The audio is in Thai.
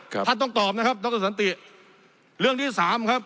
ท่านต้องตอบนะครับดรสันติเรื่องที่สามครับ